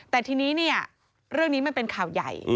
แต่ทีนี้เนี่ยเรื่องนี้มันเป็นข่าวใหญ่